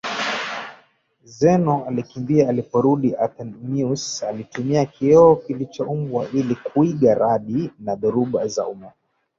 Zeno alikimbia aliporudi Anthemius alitumia kioo kilichochombwa ili kuiga radi na dhoruba za umeme